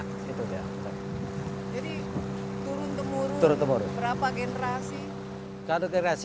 jadi turun ke murun berapa generasi